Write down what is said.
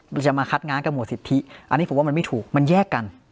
มันจะมาคัดงานกับหวดสิทธิอันนี้ผมว่ามันไม่ถูกมันแยกกัน